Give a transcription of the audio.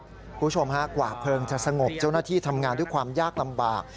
คุณผู้ชมฮะกว่าเพลิงจะสงบเจ้าหน้าที่ทำงานด้วยความยากลำบาก